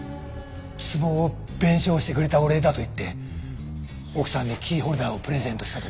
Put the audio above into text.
壺を弁償してくれたお礼だと言って奥さんにキーホルダーをプレゼントした時。